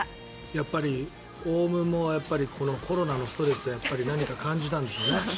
やっぱりオウムもコロナのストレスを感じたんでしょうね。